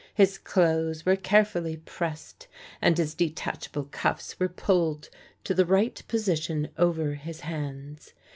His clothes were carefully pressed and his de tachable cuflfs were pulled to the right position Over his hands.